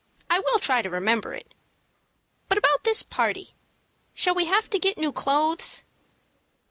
I will try to remember it. But about this party, shall we have to get new clothes?"